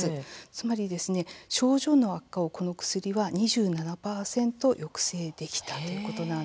つまり症状の悪化をこの薬は２７％抑制できたということなんです。